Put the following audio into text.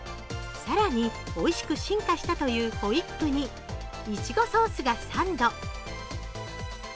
更においしく進化したというホイップにいちごソースがサンド。